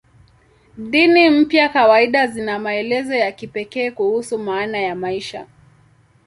Dini mpya kawaida zina maelezo ya kipekee kuhusu maana ya maisha.